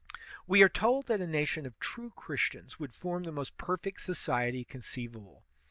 We are told that a nation of true Christians would form the most perfect society conceivable.